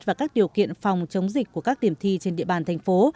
và các điều kiện phòng chống dịch của các điểm thi trên địa bàn thành phố